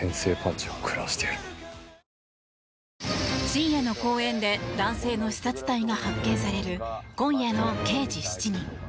深夜の公園で男性の刺殺体が発見される今夜の「刑事７人」。